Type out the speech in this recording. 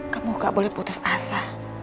kamu gak boleh putus asa